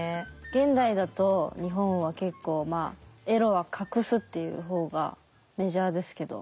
現代だと日本は結構エロは隠すっていう方がメジャーですけど。